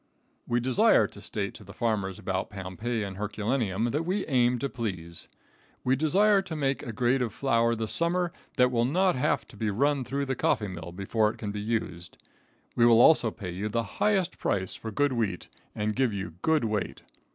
We desire to state to the farmers about Pompeii and Herculaneum that we aim to please. We desire to make a grade of flour this summer that will not have to be run through the coffee mill before it can be used. We will also pay you the highest price for good wheat, and give you good weight.